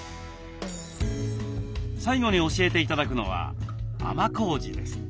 最後に教えて頂くのは甘こうじです。